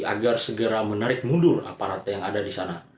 agar segera menarik mundur aparat yang ada di sana